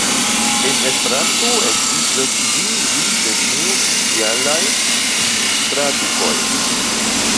En Esperanto ekzistas ĝis nun du neoficialaj tradukoj.